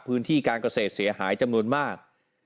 พื้นที่การเกษตรเสียหายจำนวนมาก